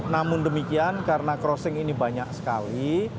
namun demikian karena crossing ini banyak sekali